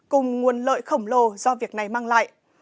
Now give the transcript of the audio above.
cùng nguồn lợi khổng lồ do việc này mang lại